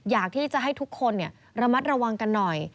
อยากที่จะให้ทุกคนระมัดระวังกันหน่อย